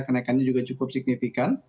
kenaikannya juga cukup signifikan